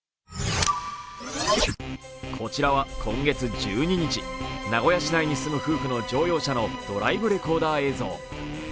こちらは今月１２日、名古屋市内に住む夫婦の乗用車のドライブレコーダー映像。